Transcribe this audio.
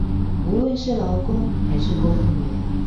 無論是勞工還是公務員